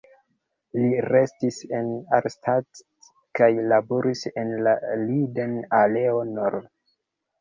Li restis en Arnstadt kaj laboris en la Linden-aleo nr.